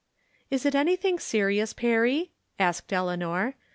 " Is it anything serious. Perry, asked Eleanor.